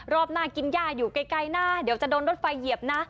รอบหน้ากินย่าอยู่ไกลนะเดี๋ยวจะโดนรถไฟเหยียบนะ